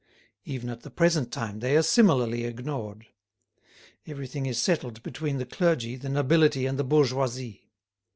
Even at the present time they are similarly ignored. Everything is settled between the clergy, the nobility, and the bourgeoisie.